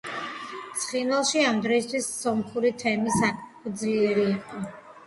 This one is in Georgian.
ცხინვალში ამ დროისათვის სომხური თემი საკმაოდ ძლიერი იყო.